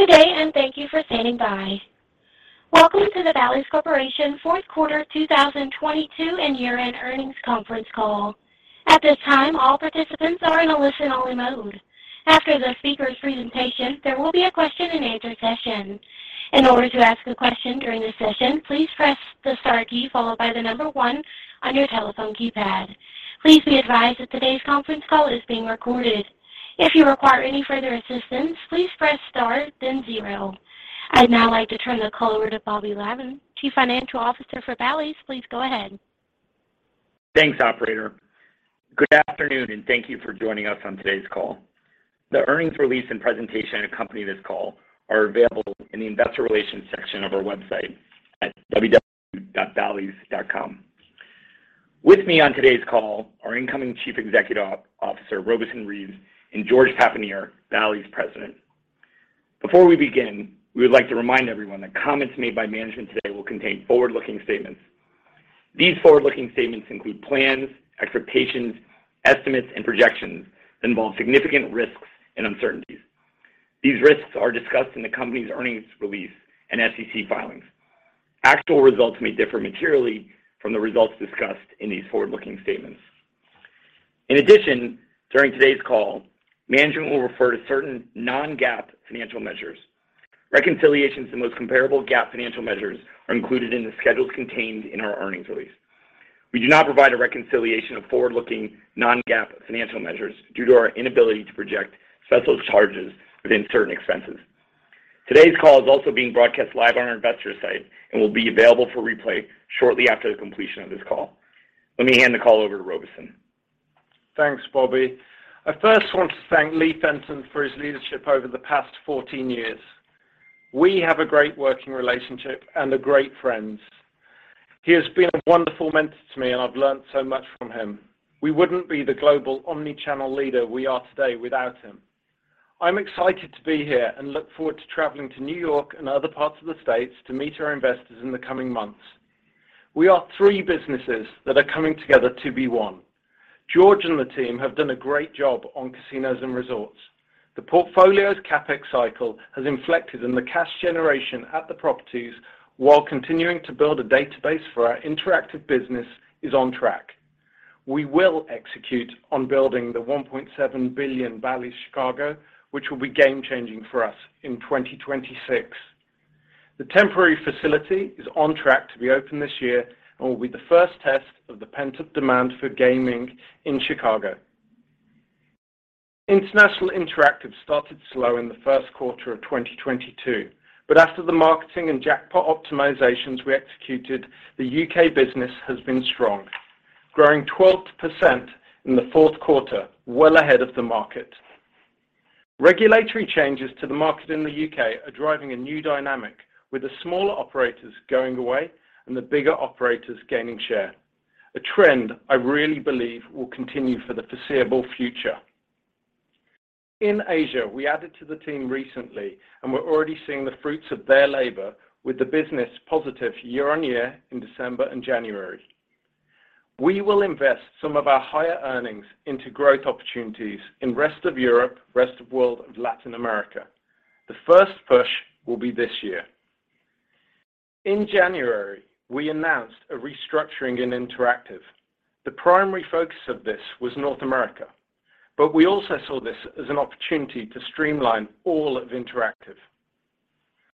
Good day. Thank you for standing by. Welcome to the Bally's Corporation fourth quarter 2022 and year-end earnings conference call. At this time, all participants are in a listen-only mode. After the speaker's presentation, there will be a question-and-answer session. In order to ask a question during this session, please press the star key followed by the number one on your telephone keypad. Please be advised that today's conference call is being recorded. If you require any further assistance, please press star then zero. I'd now like to turn the call over to Bobby Lavan, Chief Financial Officer for Bally's. Please go ahead. Thanks, operator. Good afternoon, and thank you for joining us on today's call. The earnings release and presentation accompanying this call are available in the investor relations section of our website at www.ballys.com. With me on today's call, our incoming Chief Executive Officer, Robeson Reeves, and George Papanier, Bally's President. Before we begin, we would like to remind everyone that comments made by management today will contain forward-looking statements. These forward-looking statements include plans, expectations, estimates, and projections that involve significant risks and uncertainties. These risks are discussed in the company's earnings release and SEC filings. Actual results may differ materially from the results discussed in these forward-looking statements. In addition, during today's call, management will refer to certain non-GAAP financial measures. Reconciliations to the most comparable GAAP financial measures are included in the schedules contained in our earnings release. We do not provide a reconciliation of forward-looking non-GAAP financial measures due to our inability to project special charges within certain expenses. Today's call is also being broadcast live on our investor site and will be available for replay shortly after the completion of this call. Let me hand the call over to Robeson. Thanks, Bobby. I first want to thank Lee Fenton for his leadership over the past 14 years. We have a great working relationship and are great friends. He has been a wonderful mentor to me, and I've learned so much from him. We wouldn't be the global omni-channel leader we are today without him. I'm excited to be here and look forward to traveling to New York and other parts of the States to meet our investors in the coming months. We are three businesses that are coming together to be one. George and the team have done a great job on casinos and resorts. The portfolio's CapEx cycle has inflected in the cash generation at the properties while continuing to build a database for our interactive business is on track. We will execute on building the $1.7 billion Bally's Chicago, which will be game-changing for us in 2026. The temporary facility is on track to be open this year and will be the first test of the pent-up demand for gaming in Chicago. International Interactive started slow in the first quarter of 2022, but after the marketing and jackpot optimizations we executed, the U.K. business has been strong, growing 12% in the fourth quarter, well ahead of the market. Regulatory changes to the market in the U.K. are driving a new dynamic, with the smaller operators going away and the bigger operators gaining share, a trend I really believe will continue for the foreseeable future. In Asia, we added to the team recently, and we're already seeing the fruits of their labor with the business positive year-on-year in December and January. We will invest some of our higher earnings into growth opportunities in rest of Europe, rest of world, and Latin America. The first push will be this year. In January, we announced a restructuring in Interactive. The primary focus of this was North America, but we also saw this as an opportunity to streamline all of Interactive.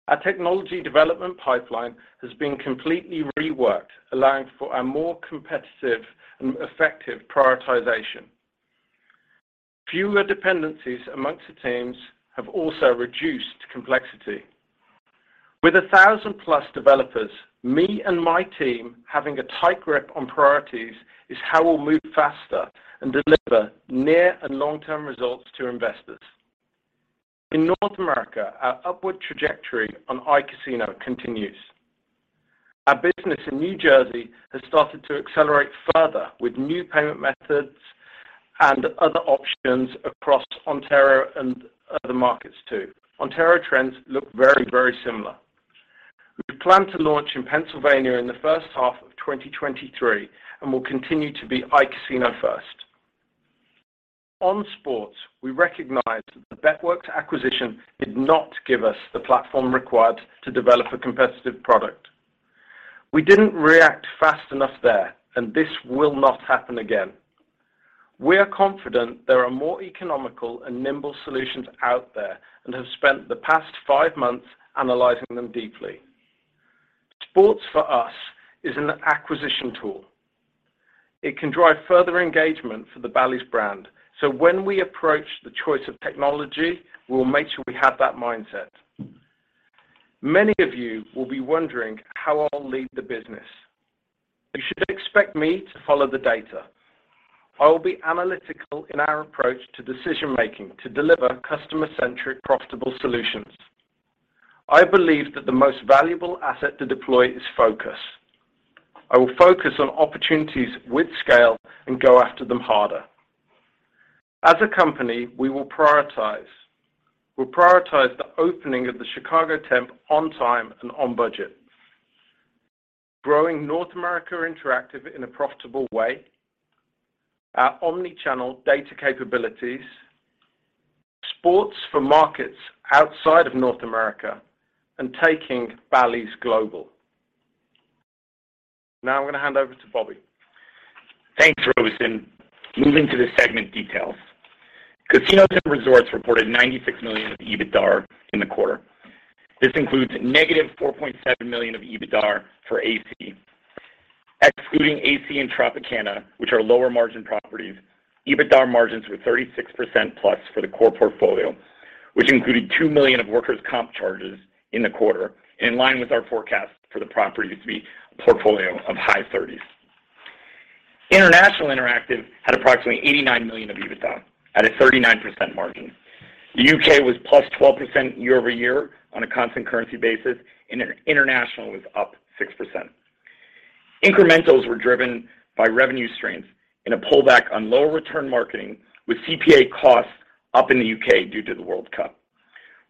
Our technology development pipeline has been completely reworked, allowing for a more competitive and effective prioritization. Fewer dependencies amongst the teams have also reduced complexity. With 1,000+ developers, me and my team having a tight grip on priorities is how we'll move faster and deliver near and long-term results to investors. In North America, our upward trajectory on iCasino continues. Our business in New Jersey has started to accelerate further with new payment methods and other options across Ontario and other markets too. Ontario trends look very, very similar. We plan to launch in Pennsylvania in the first half of 2023 and will continue to be iCasino first. On sports, we recognize that the Bet.Works acquisition did not give us the platform required to develop a competitive product. We didn't react fast enough there. This will not happen again. We are confident there are more economical and nimble solutions out there and have spent the past five months analyzing them deeply. Sports for us is an acquisition tool. It can drive further engagement for the Bally's brand. When we approach the choice of technology, we'll make sure we have that mindset. Many of you will be wondering how I'll lead the business. You should expect me to follow the data. I will be analytical in our approach to decision-making to deliver customer-centric, profitable solutions. I believe that the most valuable asset to deploy is focus. I will focus on opportunities with scale and go after them harder. As a company, we will prioritize the opening of the Chicago Temp on time and on budget. Growing North America interactive in a profitable way, our omni-channel data capabilities, sports for markets outside of North America, and taking Bally's global. I'm gonna hand over to Bobby. Thanks, Robeson. Moving to the segment details. Casinos and resorts reported $96 million of EBITDAR in the quarter. This includes negative $4.7 million of EBITDAR for AC. Excluding AC and Tropicana, which are lower margin properties, EBITDAR margins were 36%+ for the core portfolio, which included $2 million of workers' comp charges in the quarter, in line with our forecast for the property to be a portfolio of high 30s. International Interactive had approximately $89 million of EBITDA at a 39% margin. The UK was +12% year-over-year on a constant currency basis, and International was up 6%. Incrementals were driven by revenue streams in a pullback on lower return marketing, with CPA costs up in the UK due to the World Cup.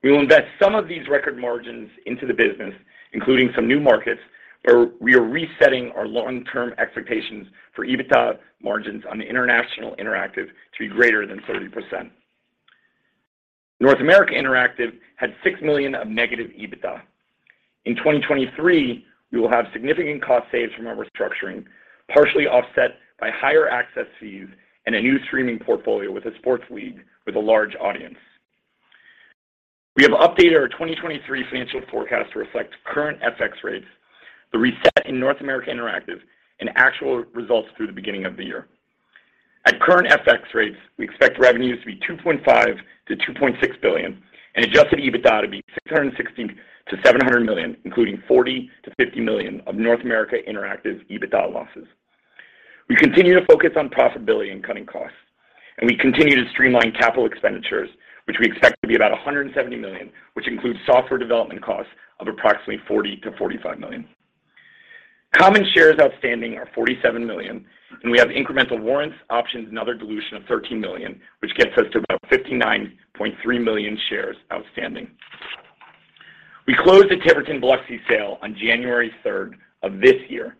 We will invest some of these record margins into the business, including some new markets, where we are resetting our long-term expectations for EBITDA margins on the International Interactive to be greater than 30%. North America Interactive had $6 million of negative EBITDA. In 2023, we will have significant cost saves from our restructuring, partially offset by higher access fees and a new streaming portfolio with a sports league with a large audience. We have updated our 2023 financial forecast to reflect current FX rates, the reset in North America Interactive, and actual results through the beginning of the year. At current FX rates, we expect revenues to be $2.5 billion-$2.6 billion and adjusted EBITDA to be $660 million-$700 million, including $40 million-$50 million of North America Interactive EBITDA losses. We continue to focus on profitability and cutting costs, and we continue to streamline capital expenditures, which we expect to be about $170 million, which includes software development costs of approximately $40 million-$45 million. Common shares outstanding are $47 million, and we have incremental warrants, options and other dilution of $13 million, which gets us to about $59.3 million shares outstanding. We closed the Tiverton Biloxi sale on January 3rd of this year.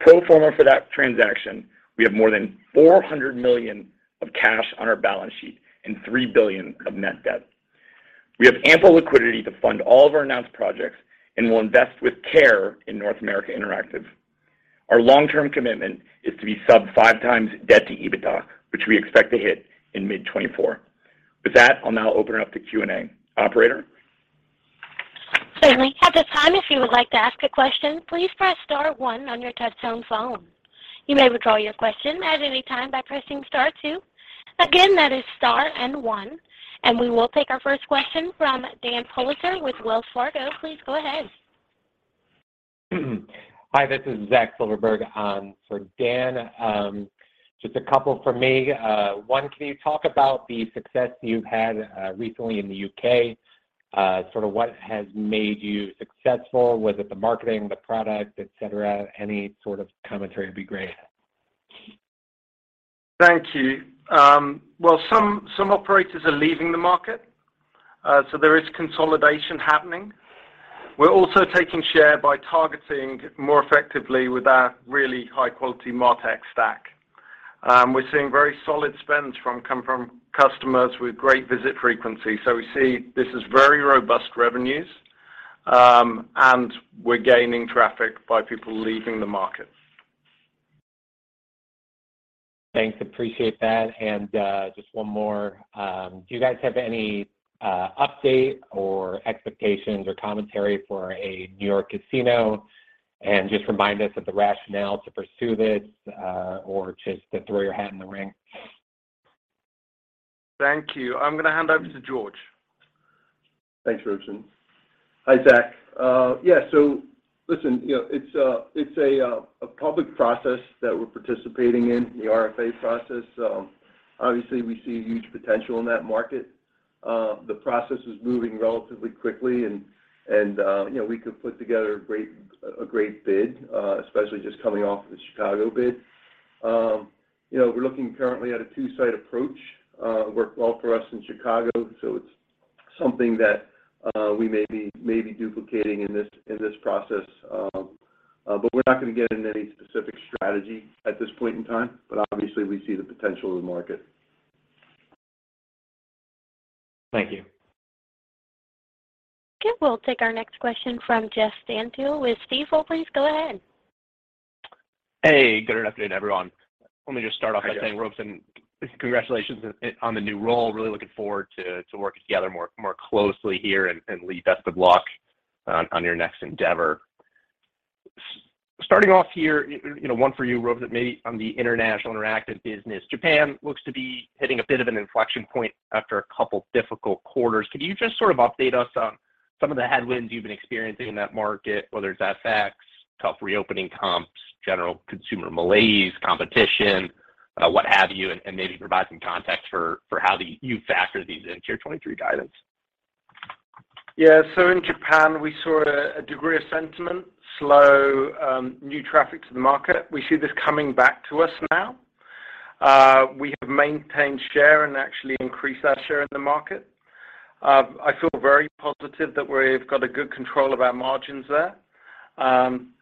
Pro forma for that transaction, we have more than $400 million of cash on our balance sheet and $3 billion of net debt. We have ample liquidity to fund all of our announced projects, and we'll invest with care in North America Interactive. Our long-term commitment is to be sub 5x debt to EBITDA, which we expect to hit in mid 2024. With that, I'll now open it up to Q&A. Operator? Certainly. At this time, if you would like to ask a question, please press star one on your touchtone phone. You may withdraw your question at any time by pressing star two. Again, that is star and one. We will take our first question from Daniel Politzer with Wells Fargo. Please go ahead. Hi, this is Zach Silverberg, for Dan. Just a couple from me. One, can you talk about the success you've had recently in the U.K.? Sort of what has made you successful? Was it the marketing, the product, et cetera? Any sort of commentary would be great. Thank you. Well, some operators are leaving the market, there is consolidation happening. We're also taking share by targeting more effectively with our really high-quality Martech stack. We're seeing very solid spends from customers with great visit frequency. We see this is very robust revenues, we're gaining traffic by people leaving the market. Thanks. Appreciate that. Just one more. Do you guys have any update or expectations or commentary for a New York casino? Just remind us of the rationale to pursue this or just to throw your hat in the ring? Thank you. I'm gonna hand over to George. Thanks, Robeson. Hi, Zach. Yeah, so listen, you know, it's a public process that we're participating in, the RFA process. Obviously we see huge potential in that market. The process is moving relatively quickly and you know we could put together a great bid, especially just coming off of the Chicago bid. You know, we're looking currently at a two-side approach. It worked well for us in Chicago, so it's something that we may be duplicating in this process. We're not gonna get into any specific strategy at this point in time. Obviously we see the potential of the market. Thank you. Okay. We'll take our next question from Jeff Stantial with Stifel. Please go ahead. Hey, good afternoon, everyone. Let me just start off by saying, Robeson, congratulations on the new role. Really looking forward to working together more closely here. Lee, best of luck on your next endeavor. Starting off here, you know, one for you, Robeson, maybe on the international interactive business. Japan looks to be hitting a bit of an inflection point after a couple difficult quarters. Could you just sort of update us on some of the headwinds you've been experiencing in that market, whether it's FX, tough reopening comps, general consumer malaise, competition, what have you. Maybe provide some context for how you factor these into your 2023 guidance? In Japan we saw a degree of sentiment, slow, new traffic to the market. We see this coming back to us now. We have maintained share and actually increased our share in the market. I feel very positive that we've got a good control of our margins there.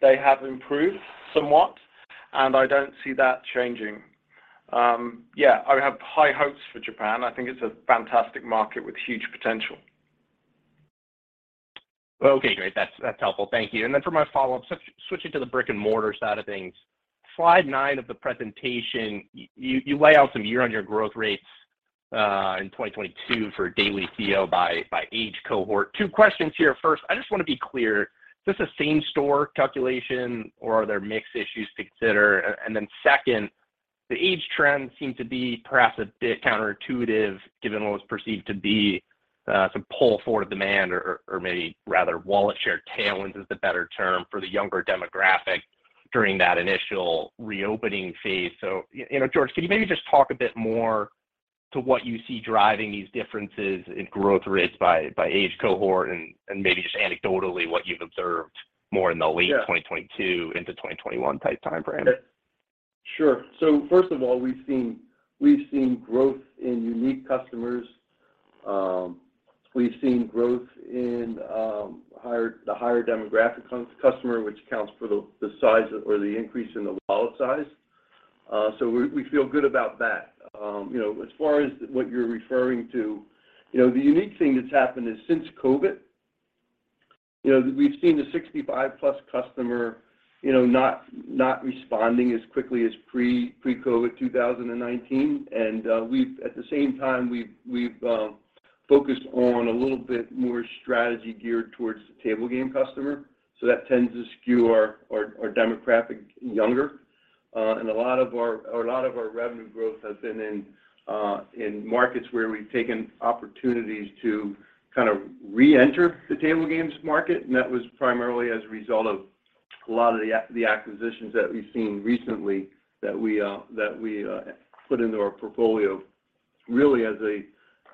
They have improved somewhat, and I don't see that changing. I have high hopes for Japan. I think it's a fantastic market with huge potential. Okay, great. That's helpful. Thank you. Then for my follow-up, switching to the brick-and-mortar side of things. Slide nine of the presentation, you lay out some year-over-year growth rates in 2022 for daily CO by age cohort. Two questions here. First, I just wanna be clear, is this a same-store calculation, or are there mix issues to consider? Then second, the age trends seem to be perhaps a bit counterintuitive given what was perceived to be some pull forward demand or maybe rather wallet share tailwinds is the better term for the younger demographic during that initial reopening phase. You know, George, can you maybe just talk a bit more to what you see driving these differences in growth rates by age cohort and maybe just anecdotally what you've observed more in the late. Yeah 2022 into 2021 type timeframe? Sure. First of all, we've seen growth in unique customers. We've seen growth in the higher demographic customer, which accounts for the size or the increase in the wallet size. We feel good about that. You know, as far as what you're referring to, you know, the unique thing that's happened is since COVID, you know, we've seen the 65+ customer, you know, not responding as quickly as pre-COVID 2019. At the same time, we've focused on a little bit more strategy geared towards the table game customer. That tends to skew our demographic younger. A lot of our revenue growth has been in markets where we've taken opportunities to kind of reenter the table games market. That was primarily as a result of a lot of the acquisitions that we've seen recently that we that we put into our portfolio really as a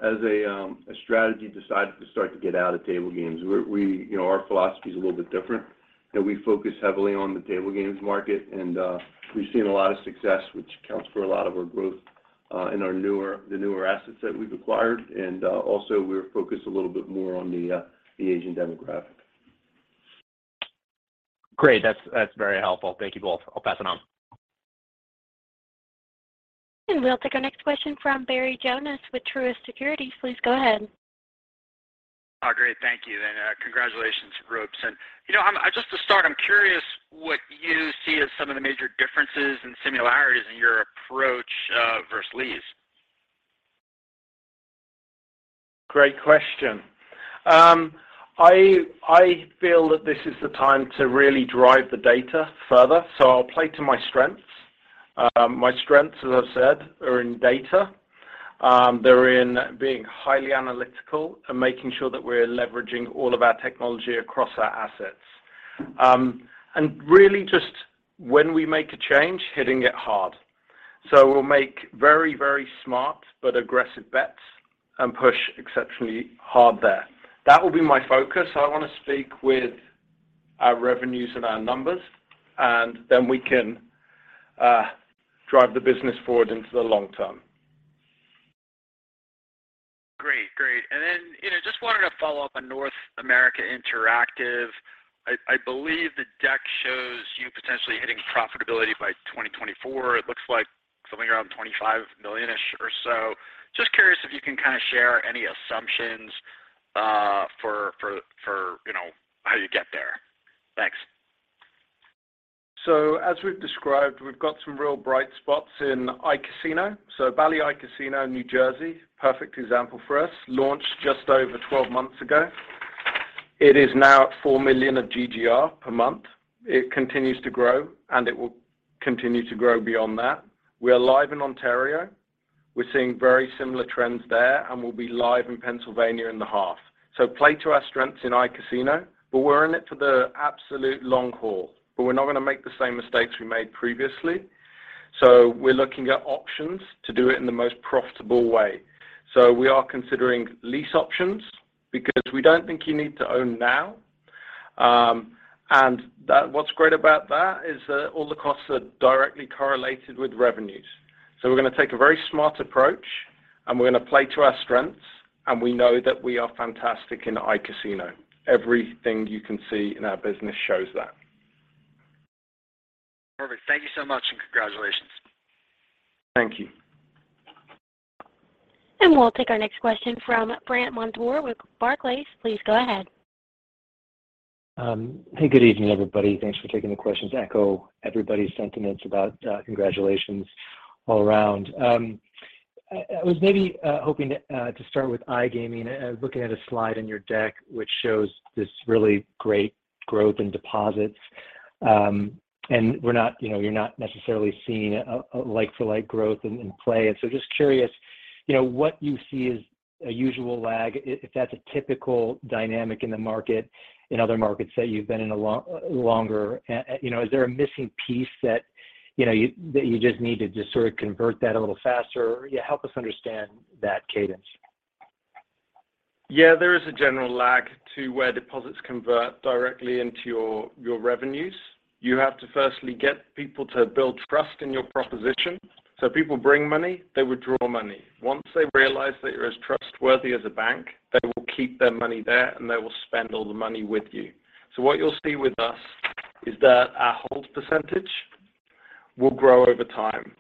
as a a strategy decided to start to get out of table games. You know, our philosophy is a little bit different, that we focus heavily on the table games market. We've seen a lot of success, which accounts for a lot of our growth in our newer assets that we've acquired. Also we're focused a little bit more on the Asian demographic. Great. That's very helpful. Thank you both. I'll pass it on. We'll take our next question from Barry Jonas with Truist Securities. Please go ahead. Oh, great. Thank you. Congratulations, Robeson. You know, just to start, I'm curious what you see as some of the major differences and similarities in your approach, versus Lee's. Great question. I feel that this is the time to really drive the data further, so I'll play to my strengths. My strengths, as I've said, are in data. They're in being highly analytical and making sure that we're leveraging all of our technology across our assets. And really just when we make a change, hitting it hard. We'll make very, very smart but aggressive bets and push exceptionally hard there. That will be my focus. I wanna speak with our revenues and our numbers, and then we can drive the business forward into the long term. Great. Then, you know, just wanted to follow up on North America Interactive. I believe the deck shows you potentially hitting profitability by 2024. It looks like somewhere around $25 million-ish or so. Just curious if you can kinda share any assumptions for, you know, how you get there. Thanks. As we've described, we've got some real bright spots in iCasino. Bally Casino, New Jersey, perfect example for us, launched just over 12 months ago. It is now at $4 million of GGR per month. It continues to grow, and it will continue to grow beyond that. We are live in Ontario. We're seeing very similar trends there, and we'll be live in Pennsylvania in the half. Play to our strengths in iCasino, but we're in it for the absolute long haul, but we're not gonna make the same mistakes we made previously. We're looking at options to do it in the most profitable way. We are considering lease options because we don't think you need to own now. What's great about that is that all the costs are directly correlated with revenues. We're gonna take a very smart approach, and we're gonna play to our strengths, and we know that we are fantastic in iCasino. Everything you can see in our business shows that. Perfect. Thank you so much, and congratulations. Thank you. We'll take our next question from Brandt Montour with Barclays. Please go ahead. Hey, good evening, everybody. Thanks for taking the questions. Echo everybody's sentiments about congratulations all around. I was maybe hoping to start with iGaming. Looking at a slide in your deck, which shows this really great growth in deposits, and we're not, you know, you're not necessarily seeing a like for like growth in play. Just curious, you know, what you see as a usual lag, if that's a typical dynamic in the market, in other markets that you've been in a longer. You know, is there a missing piece that, you know, you just need to sort of convert that a little faster? Yeah, help us understand that cadence. Yeah, there is a general lag to where deposits convert directly into your revenues. You have to firstly get people to build trust in your proposition. people bring money, they withdraw money. Once they realize that you're as trustworthy as a bank, they will keep their money there, and they will spend all the money with you. what you'll see with us is that our hold percentage will grow over time.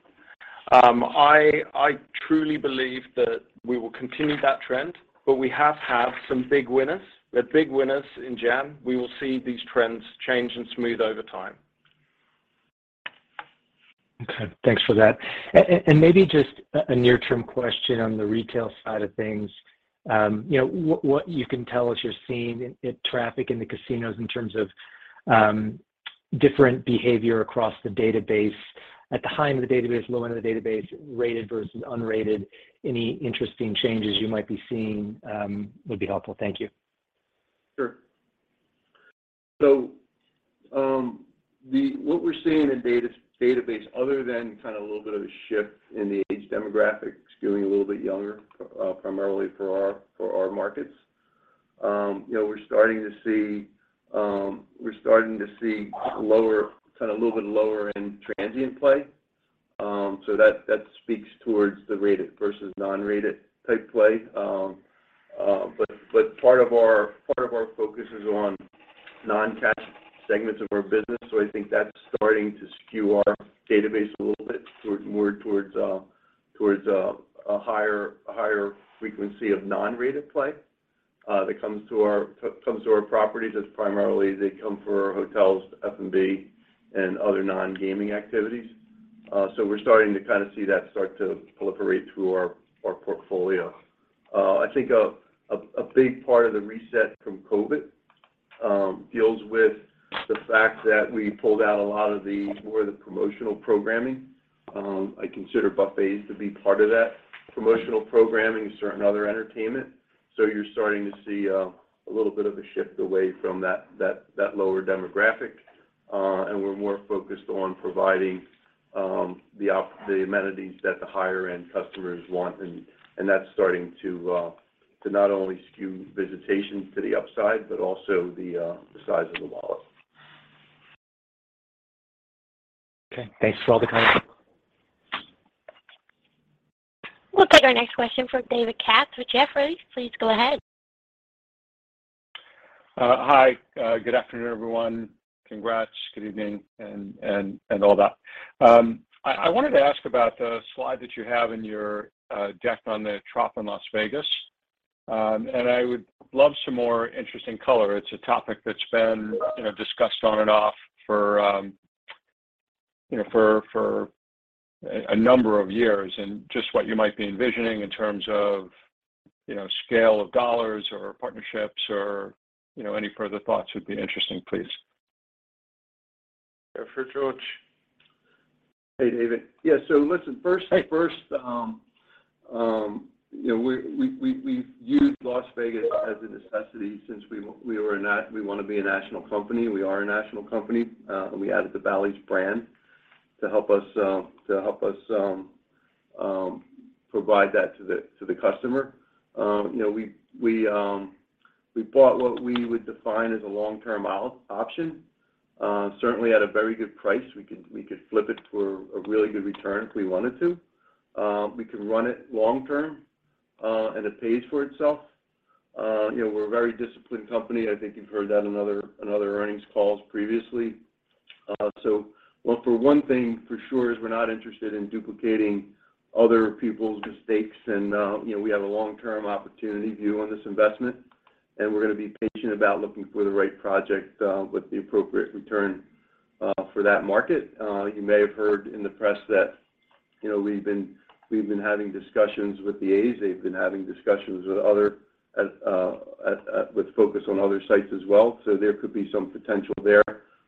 I truly believe that we will continue that trend, but we have had some big winners. The big winners in Jan, we will see these trends change and smooth over time. Okay. Thanks for that. Maybe just a near-term question on the retail side of things. you know, what you can tell us you're seeing in traffic in the casinos in terms of, different behavior across the database at the high end of the database, low end of the database, rated versus unrated. Any interesting changes you might be seeing, would be helpful. Thank you. Sure. What we're seeing in database other than kind of a little bit of a shift in the age demographics skewing a little bit younger, primarily for our markets, you know, we're starting to see lower, kinda little bit lower in transient play. That speaks towards the rated versus non-rated type play. But part of our focus is on non-cash segments of our business, so I think that's starting to skew our database a little bit toward, more towards a higher frequency of non-rated play that comes to our properties. That's primarily they come for our hotels, F&B and other non-gaming activities. We're starting to kinda see that start to proliferate through our portfolio. I think a big part of the reset from COVID deals with the fact that we pulled out a lot of the more of the promotional programming. I consider buffets to be part of that promotional programming, certain other entertainment. You're starting to see a little bit of a shift away from that lower demographic, and we're more focused on providing the amenities that the higher end customers want and that's starting to not only skew visitation to the upside, but also the size of the wallet. Okay. Thanks for all the color. We'll take our next question from David Katz with Jefferies. Please go ahead. Hi. Good afternoon, everyone. Congrats. Good evening and all that. I wanted to ask about the slide that you have in your deck on the trop in Las Vegas. I would love some more interesting color. It's a topic that's been, you know, discussed on and off for, you know, for a number of years and just what you might be envisioning in terms of, you know, scale of dollars or partnerships or, you know, any further thoughts would be interesting, please. Jeff, George. Hey, David. Yeah. Listen, first. Hey First, you know, we've used Las Vegas as a necessity since we were a national company. We are a national company, and we added the Bally's brand to help us to help us provide that to the customer. You know, we bought what we would define as a long-term option, certainly at a very good price. We could flip it for a really good return if we wanted to. We can run it long term, and it pays for itself. You know, we're a very disciplined company. I think you've heard that in other earnings calls previously. Well, for one thing for sure is we're not interested in duplicating other people's mistakes and, you know, we have a long-term opportunity view on this investment, and we're gonna be patient about looking for the right project, with the appropriate return, for that market. You may have heard in the press that, you know, we've been having discussions with the A's. They've been having discussions with other, with focus on other sites as well. There could be some potential there.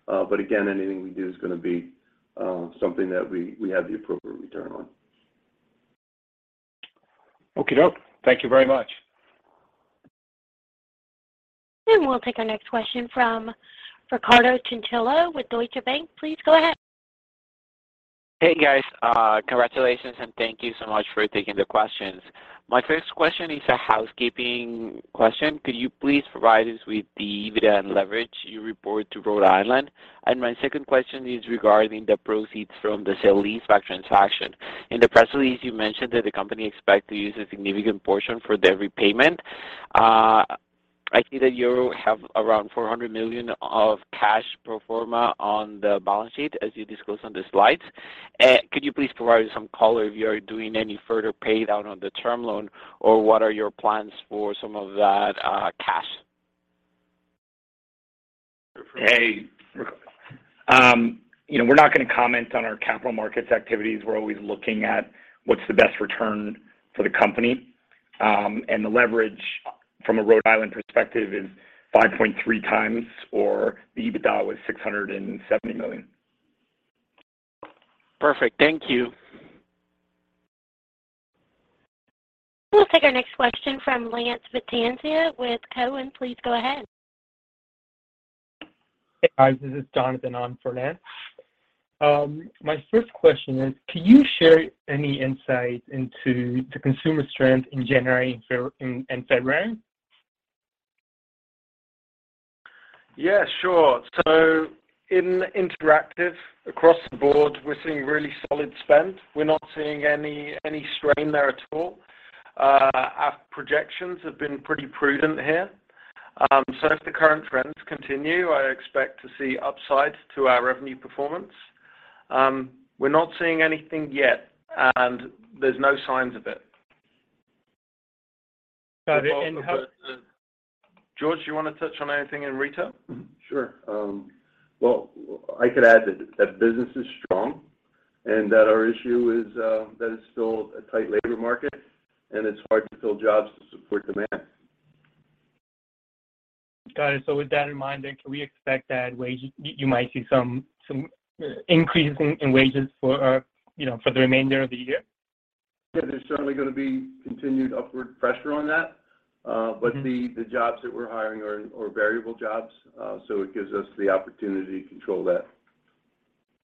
Again, anything we do is gonna be something that we have the appropriate return on. Okie doke. Thank you very much. We'll take our next question from Ricardo Chinchilla with Deutsche Bank. Please go ahead. Hey, guys. congratulations and thank you so much for taking the questions. My first question is a housekeeping question. Could you please provide us with the EBITDA and leverage you report to Rhode Island? My second question is regarding the proceeds from the sale leaseback transaction. In the press release, you mentioned that the company expect to use a significant portion for the repayment. I see that you have around $400 million of cash pro forma on the balance sheet as you disclosed on the slides. could you please provide some color if you are doing any further pay down on the term loan, or what are your plans for some of that, cash? Hey, Ricardo. You know, we're not gonna comment on our capital markets activities. We're always looking at what's the best return for the company. The leverage from a Rhode Island perspective is 5.3x, or the EBITDA was $670 million. Perfect. Thank you. We'll take our next question from Lance Vitanza with Cowen. Please go ahead. Hi, this is Jonathan on for Lance. My first question is, can you share any insight into the consumer strength in January and in February? Yeah, sure. In interactive across the board, we're seeing really solid spend. We're not seeing any strain there at all. Our projections have been pretty prudent here. If the current trends continue, I expect to see upside to our revenue performance. We're not seeing anything yet, and there's no signs of it. Got it. George, you wanna touch on anything in retail? Sure. Well, I could add that business is strong and that our issue is, that it's still a tight labor market, and it's hard to fill jobs to support demand. Got it. With that in mind then, can we expect that wage you might see some increase in wages for, you know, for the remainder of the year? There's certainly gonna be continued upward pressure on that. The jobs that we're hiring are variable jobs, so it gives us the opportunity to control that.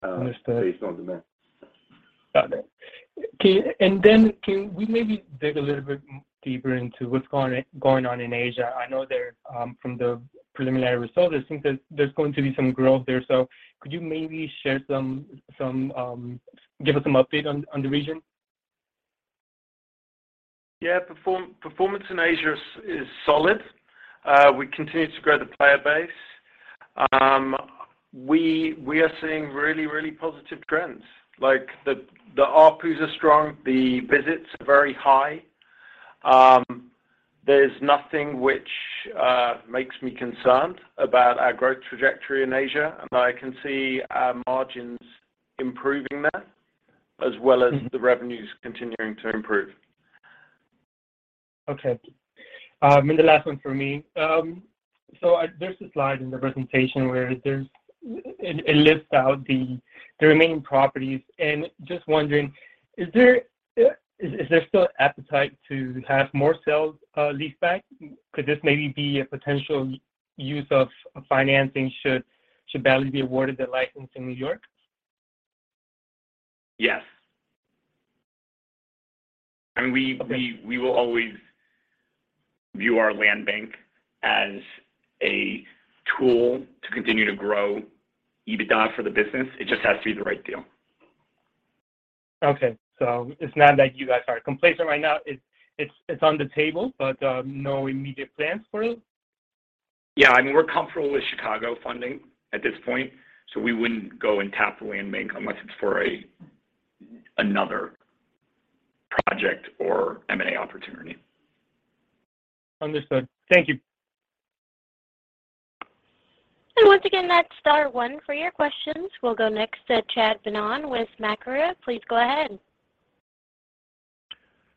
Understood based on demand. Got it. Can you maybe dig a little bit deeper into what's going on in Asia? I know there from the preliminary results, it seems that there's going to be some growth there. Could you maybe share some give us some update on the region? Yeah. Performance in Asia is solid. We continue to grow the player base. We are seeing really, really positive trends. Like, the ARPUs are strong, the visits are very high. There's nothing which makes me concerned about our growth trajectory in Asia, I can see our margins improving there, as well as the revenues continuing to improve. Okay. The last one from me. There's a slide in the presentation where there's it lists out the remaining properties. Just wondering, is there still appetite to have more sales, leaseback? Could this maybe be a potential use of financing should Bally's be awarded the license in New York? Yes. I mean, we will always view our land bank as a tool to continue to grow EBITDA for the business. It just has to be the right deal. Okay. It's not that you guys are complacent right now. It's on the table, but no immediate plans for it? Yeah, I mean, we're comfortable with Chicago funding at this point, so we wouldn't go and tap the land bank unless it's for another project or M&A opportunity. Understood. Thank you. Once again, that's star one for your questions. We'll go next to Chad Beynon with Macquarie. Please go ahead.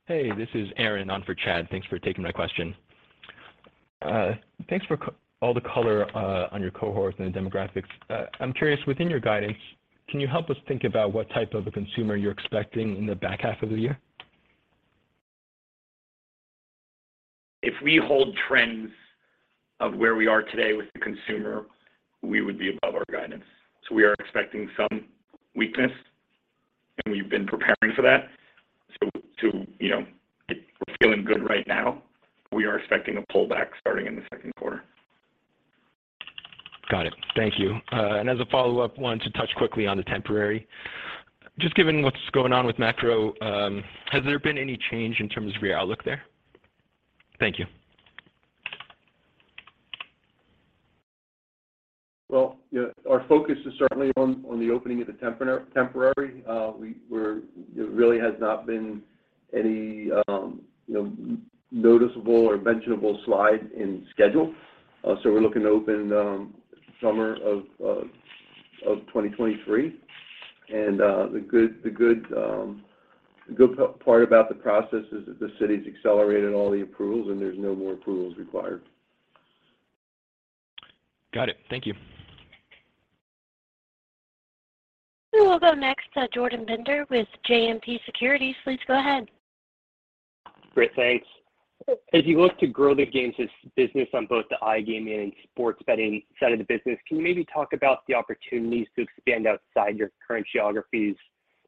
Hey, this is Aaron on for Chad. Thanks for taking my question. Thanks for all the color on your cohorts and the demographics. I'm curious, within your guidance, can you help us think about what type of a consumer you're expecting in the back half of the year? If we hold trends of where we are today with the consumer, we would be above our guidance. We are expecting some weakness, and we've been preparing for that. To, you know, we're feeling good right now. We are expecting a pullback starting in the second quarter. Got it. Thank you. As a follow-up, wanted to touch quickly on the trop. Just given what's going on with macro, has there been any change in terms of your outlook there? Thank you. Well, yeah, our focus is certainly on the opening of the temporary. There really has not been any, you know, noticeable or mentionable slide in schedule. We're looking to open summer of 2023. The good part about the process is that the city's accelerated all the approvals, and there's no more approvals required. Got it. Thank you. We will go next to Jordan Bender with JMP Securities. Please go ahead. Great. Thanks. As you look to grow the Games business on both the iGaming and sports betting side of the business, can you maybe talk about the opportunities to expand outside your current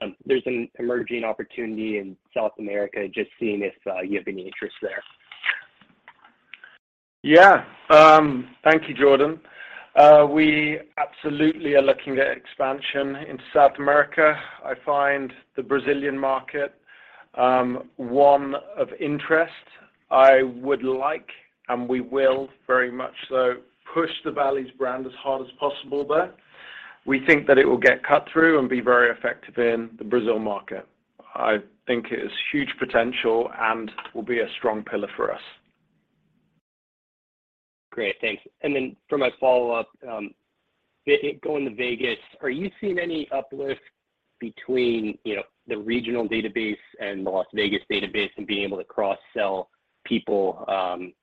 geographies? There's an emerging opportunity in South America. Just seeing if, you have any interest there. Yeah. Thank you, Jordan. We absolutely are looking at expansion into South America. I find the Brazilian market one of interest. I would like, and we will very much so, push the Bally's brand as hard as possible there. We think that it will get cut through and be very effective in the Brazil market. I think it has huge potential and will be a strong pillar for us. Great. Thanks. For my follow-up, going to Vegas, are you seeing any uplift between, you know, the regional database and the Las Vegas database and being able to cross-sell people,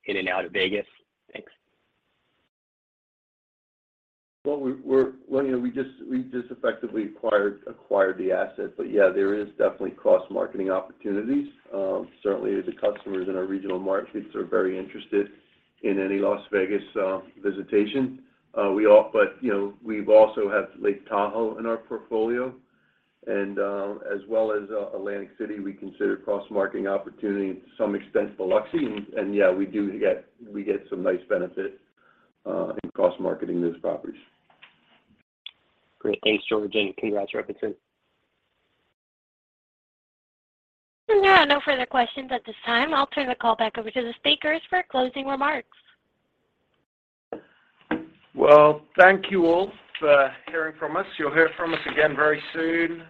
in and out of Vegas? Thanks. Well, you know, we just effectively acquired the asset. Yeah, there is definitely cross-marketing opportunities. Certainly the customers in our regional markets are very interested in any Las Vegas visitation. You know, we've also have Lake Tahoe in our portfolio and as well as Atlantic City. We consider cross-marketing opportunity to some extent with Luxy. Yeah, we get some nice benefit in cross-marketing those properties. Great. Thanks, George, and congrats, everybody. There are no further questions at this time. I'll turn the call back over to the speakers for closing remarks. Well, thank you all for hearing from us. You'll hear from us again very soon.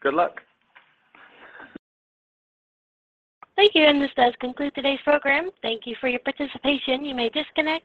Good luck. Thank you, this does conclude today's program. Thank you for your participation. You may disconnect.